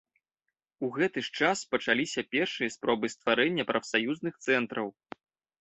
У гэты ж час пачаліся першыя спробы стварэння прафсаюзных цэнтраў.